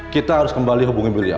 kita harus kembali hubungi bapak nino